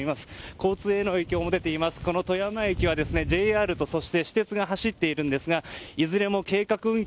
交通への影響ですがこの富山駅はＪＲと私鉄が走っているんですがいずれも計画運休